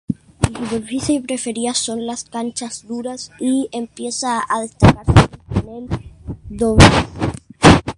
Su superficie preferida son las canchas duras y empieza a destacarse en el dobles.